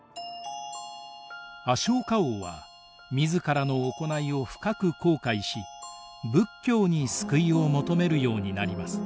アショーカ王は自らの行いを深く後悔し仏教に救いを求めるようになります。